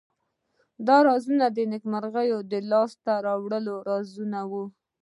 دا رازونه د نیکمرغیو د لاس ته راوړلو رازونه وو.